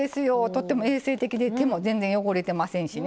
とっても衛生的で手も全然汚れてませんしね。